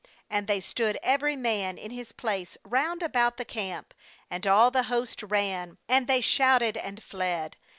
' 2I And they stood every man in his place round about the camp; and all the host ran; and they shouted, and fled.